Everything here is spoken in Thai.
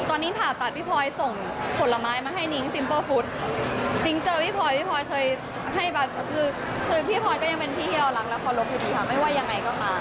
ตอนนี้ผ่าตัดพี่พลอยส่งผลไม้มาให้นิ้งซิมเปอร์ฟุตนิ้งเจอพี่พลอยพี่พลอยเคยให้บัตรคือพี่พลอยก็ยังเป็นพี่ที่เรารักและเคารพอยู่ดีค่ะไม่ว่ายังไงก็มา